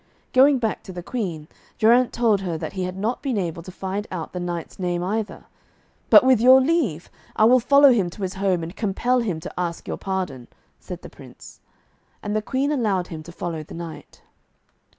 Going back to the Queen, Geraint told her that he had not been able to find out the knight's name either, 'but with your leave, I will follow him to his home, and compel him to ask your pardon,' said the Prince. And the Queen allowed him to follow the knight.